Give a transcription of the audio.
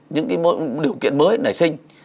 những điều kiện mới nảy sinh